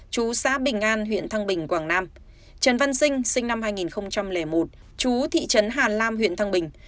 chú xã bình an huyện thăng bình quảng nam trần văn sinh sinh năm hai nghìn một chú thị trấn hà lam huyện thăng bình